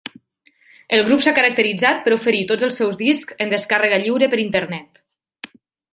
El grup s'ha caracteritzat per oferir tots els seus discs en descàrrega lliure per internet.